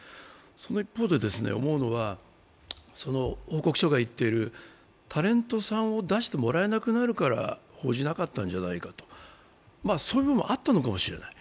その一方で思うのは、報告書が言っているタレントさんを出してもらえなくなるから報じなかったんじゃないかと、そういう面もあったかもしれない。